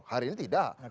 hari ini tidak